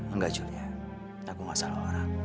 enggak julia aku gak salah orang